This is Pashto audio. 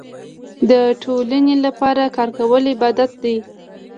د ټولنې لپاره کار کول عبادت دی.